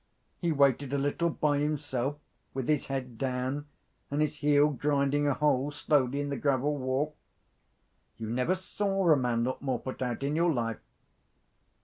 He waited a little by himself, with his head down, and his heel grinding a hole slowly in the gravel walk; you never saw a man look more put out in your life.